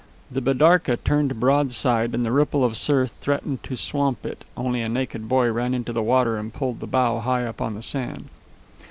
The bidarka turned broadside and the ripple of surf threatened to swamp it, only a naked boy ran into the water and pulled the bow high up on the sand.